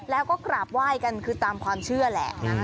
แล้วก็กราบไหว้กันคือตามความเชื่อแหละ